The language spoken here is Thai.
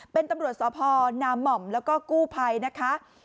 เป็นตำรวจสพนามหม่อมแล้วก็กู้ภัยนะคะ